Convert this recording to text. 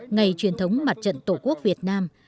ngày truyền thống mặt trận tổ quốc việt nam